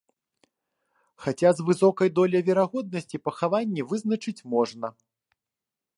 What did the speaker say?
Хаця з высокай доляй верагоднасці пахаванні вызначыць можна.